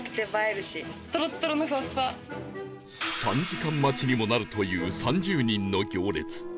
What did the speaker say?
３時間待ちにもなるという３０人の行列